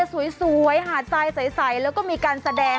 ศูนย์ก็มาดูวิวาปราการตาจริง